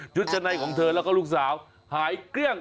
ชุดชะนายของเธอและลูกสาวหายเกรื่อง